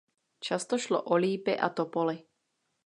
Často šlo o lípy a topoly.